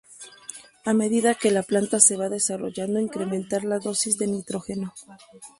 A medida que la planta se va desarrollando incrementar la dosis de nitrógeno.